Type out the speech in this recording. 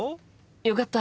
よかった！